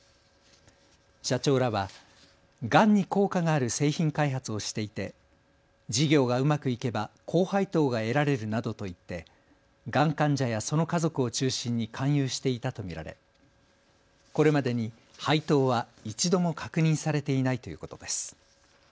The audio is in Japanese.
社長らは、がんに効果がある製品開発をしていて事業がうまくいけば高配当が得られるなどと言ってがん患者やその家族を中心に勧誘していたと見られこれまでに配当は一度も確認されていないということです。